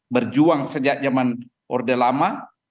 berjuang sejak zaman orde lama